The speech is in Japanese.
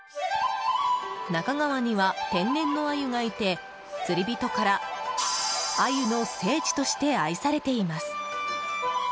那珂川には天然のアユがいて釣り人からアユの聖地として愛されています。